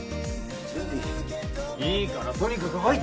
いいからとにかく入って！